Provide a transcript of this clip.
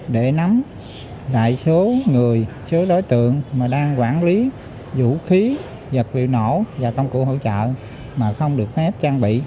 để nắm lại số người số đối tượng mà đang quản lý vũ khí vật liệu nổ và công cụ hỗ trợ mà không được phép trang bị